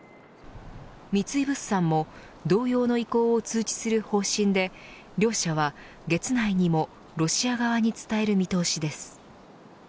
三井物産も同様の意向を通知する方針で両社は月内にもロシア側に伝える見通しです。